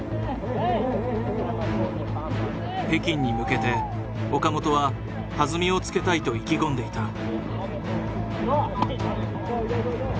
北京に向けて岡本は弾みをつけたいと意気込んでいた。